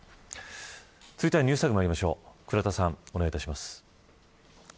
続いてはＮｅｗｓＴａｇまいりましょう倉田さんお願いします。